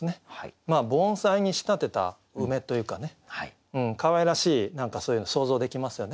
盆栽に仕立てた梅というかねかわいらしい何かそういうの想像できますよね。